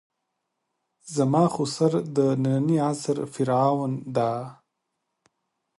زما خُسر د نني عصر فرعون ده.